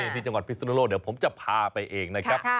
ที่จังหวัดพิศนุโลกเดี๋ยวผมจะพาไปเองนะครับ